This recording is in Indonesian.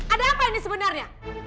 ada apa ini sebenarnya